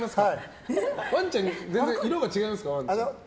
ワンちゃんは色が違いますか？